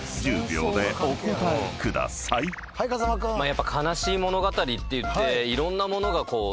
やっぱ悲しい物語っていっていろんな物がこう。